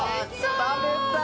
食べたい！